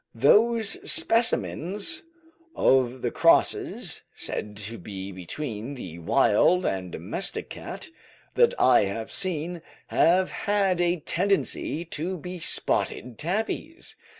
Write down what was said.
Those specimens of the crosses, said to be between the wild and domestic cat, that I have seen, have had a tendency to be spotted tabbies.